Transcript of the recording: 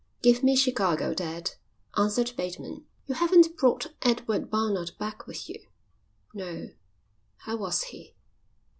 "Give me Chicago, dad," answered Bateman. "You haven't brought Edward Barnard back with you." "No." "How was he?"